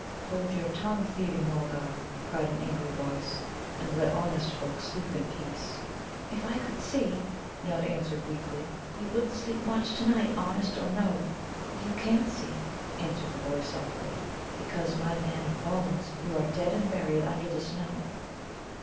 "Hold your tongue, thieving Mulgar," cried an angry voice, "and let honest folk sleep in peace." "If I could see," Nod answered weakly, "you wouldn't sleep much to night, honest or no." "You can't see," answered the voice softly, "because, my man of bones, you are dead and buried under the snow."